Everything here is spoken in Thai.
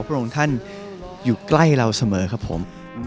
พระองค์ท่านอยู่ใกล้เราเสมอครับผม